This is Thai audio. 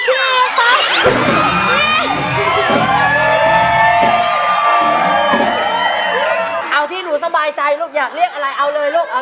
เอาที่หนูสบายใจลุง